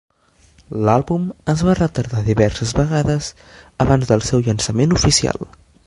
L'àlbum és va retardar diverses vegades abans del seu llançament oficial.